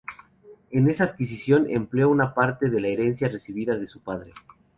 En esa adquisición empleó una parte de la herencia recibida de su padre.